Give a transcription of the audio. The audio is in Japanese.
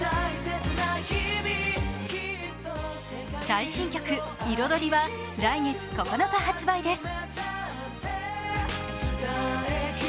最新曲「彩り」は来月９日発売です。